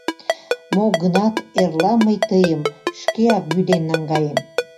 Мо-гынат, эрла мый тыйым шкеак вӱден наҥгаем.